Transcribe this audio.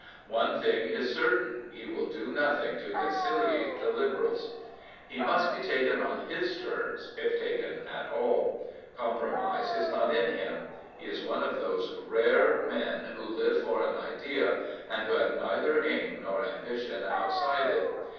One thing is certain ; he will do nothing to conciliate the Liberals. 279 Prophets, Priests, and Kings He must be taken on his terms, if taken at all. Com promise is not in him. He is one of those rare men who live for an idea, and who have neither aim nor ambition outside it.